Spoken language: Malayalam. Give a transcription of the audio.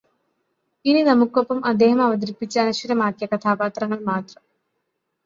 ഇനി നമുക്കൊപ്പം അദ്ദേഹം അവതരിപ്പിച്ച് അനശ്വരമാക്കിയ കഥാപാത്രങ്ങൾ മാത്രം.